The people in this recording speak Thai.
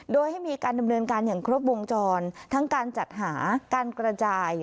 โดยให้มีการดำเนินการอย่างครบวงจรทั้งการจัดหาการกระจาย